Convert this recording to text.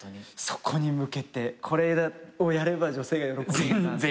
そこに向けてこれをやれば女性が喜ぶかな。